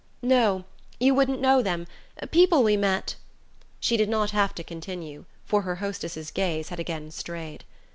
"No; you wouldn't know them. People we met...." She did not have to continue, for her hostess's gaze had again strayed.